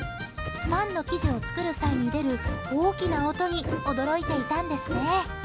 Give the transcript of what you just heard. パンの生地を作る際に出る大きな音に驚いていたんですね。